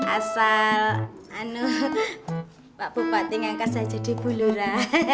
asal pak bupati ngangkat saya jadi bulora